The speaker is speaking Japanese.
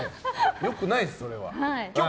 良くないです、それは。